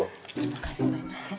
terima kasih banyak